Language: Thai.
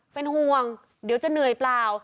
เป็นห่วงเดี๋ยวจะเหนื่อยเปล่า